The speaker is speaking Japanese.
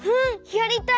やりたい！